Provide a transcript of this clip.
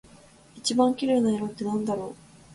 一番綺麗な色ってなんだろう？